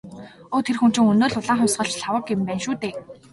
Өө тэр хүн чинь өнөө л «улаан хувьсгалч» Лхагва юм байна шүү дээ.